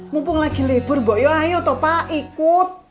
mumpung lagi lebur bapak yuk ayo ikut